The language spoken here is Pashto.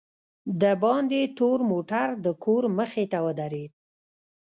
دباندې تور موټر دکور مخې ته ودرېد.